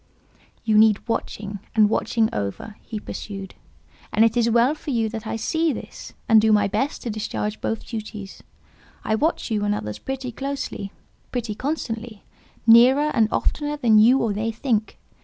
"You need watching, and watching over," he pursued; "and it is well for you that I see this, and do my best to discharge both duties. I watch you and others pretty closely, pretty constantly, nearer and oftener than you or they think.